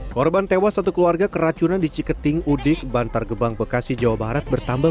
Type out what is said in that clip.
korban tewas satu keluarga keracunan di ciketing udik bantar gebang bekasi jawa barat bertambah